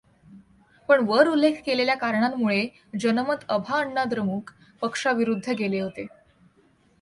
पण वर उल्लेख केलेल्या कारणांमुळे जनमत अभाअण्णाद्रमुक पक्षाविरुद्ध गेले होते.